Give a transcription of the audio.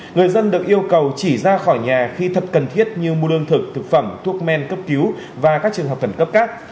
người dân được yêu cầu chỉ ra khỏi nhà khi thật cần thiết như mua lương thực thực phẩm thuốc men cấp cứu và các trường hợp khẩn cấp khác